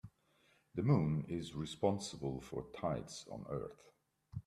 The moon is responsible for tides on earth.